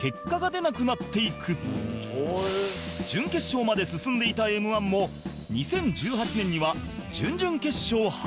準決勝まで進んでいた Ｍ−１ も２０１８年には準々決勝敗退